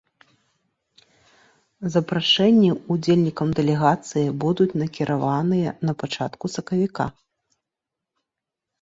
Запрашэнні ўдзельнікам дэлегацыі будуць накіраваныя на пачатку сакавіка.